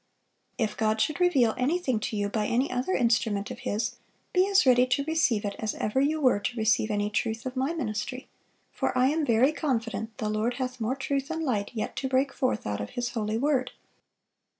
If God should reveal anything to you by any other instrument of His, be as ready to receive it as ever you were to receive any truth of my ministry; for I am very confident the Lord hath more truth and light yet to break forth out of His holy word."